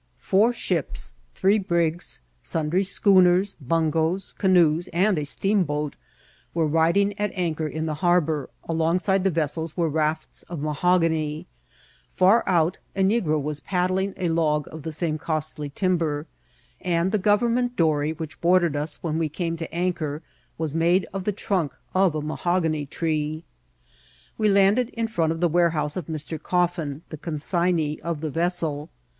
Foot ships, dvee brigs, snndry schooners, bm^poes, canoes, and a steamboat, were riding at anchor in the harbonr ; akagride the vessels were rafts of mahogany ; far oat, a negro was paddling n log of die same cosdy timber ; and the government dory vAneh boarded ns when ws eame to andierwns madeof thetmnkef amahogany# irse. . We tanied in front of Ae wavehowe of Mr. Csfin, die emnignee of the vessel.